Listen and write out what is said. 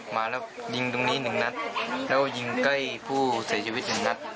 มาแล้วยิงตรงนี้หนึ่งนัดแล้วยิงใกล้ผู้เสียชีวิตหนึ่งนัด